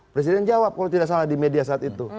presiden jawab kalau tidak salah di media saat itu